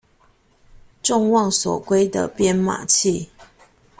眾望所歸的編碼器